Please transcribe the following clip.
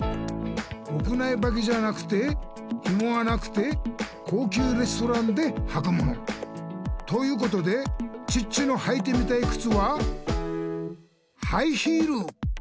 屋内ばきじゃなくてひもがなくて高級レストランではくもの！ということでチッチのはいてみたいくつはハイヒール！